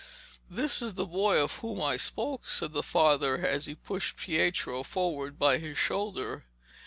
'This is the boy of whom I spoke,' said the father as he pushed Pietro forward by his shoulder.